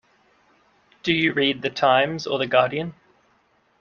Do you read The Times or The Guardian?